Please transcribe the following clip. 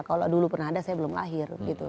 kalau dulu pernah ada saya belum lahir